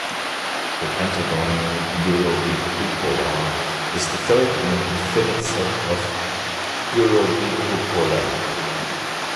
The "pentagonal gyrobicupola" is the third in an infinite set of gyrobicupolae.